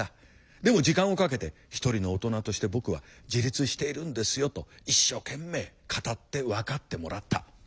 でも時間をかけて「一人の大人として僕は自立しているんですよ」と一生懸命語って分かってもらった。